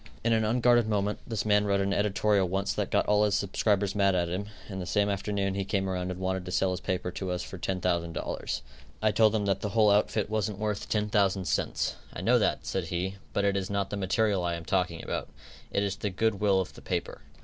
In an unguarded moment, this man wrote an editorial once that got all his subscribers mad at him, and the same afternoon he came around and wanted to sell his paper to us for $10,000. I told him that the whole outfit wasn't worth ten thousand cents. "I know that," said he, "but it is not the material that I am talking about. It is the good will of the paper."